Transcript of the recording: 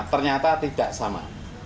ternyata tidak sama